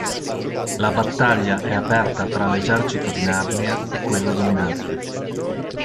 La battaglia è aperta tra l'esercito di Narnia e quello dominante.